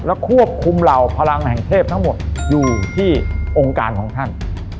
และควบคุมเหล่าพลังแห่งเทพทั้งหมดอยู่ที่องค์การของท่าน